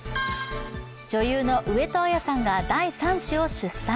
女優の上戸彩さんが第３子を出産。